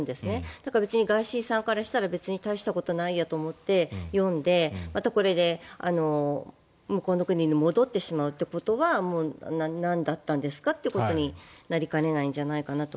だから別にガーシーさんからしたらたいしたことないやと思って読んで、またこれで向こうの国に戻ってしまうということはなんだったんですかということになりかねないんじゃないかなと。